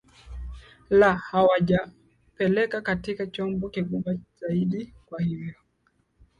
la hawajawapeleka katika chombo kikubwa zaidi kwa hivyo